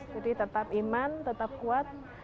jadi tetap iman tetap kuat